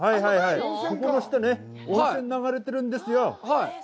ここの下に温泉が流れてるんですよ。